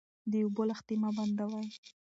د اوبو لښتې مه بندوئ.